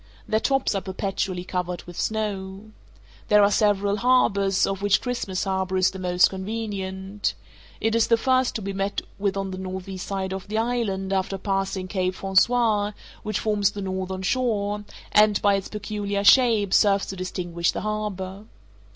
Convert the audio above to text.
Their tops are perpetually covered with snow. There are several harbors, of which Christmas Harbour is the most convenient. It is the first to be met with on the northeast side of the island after passing Cape Francois, which forms the northern shore, and, by its peculiar shape, serves to distinguish the harbour.